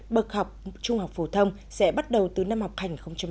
bậc học trung học phổ thông sẽ bắt đầu từ năm học hành hai mươi một